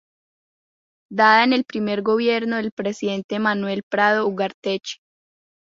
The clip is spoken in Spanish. Dada en el primer gobierno del Presidente Manuel Prado Ugarteche.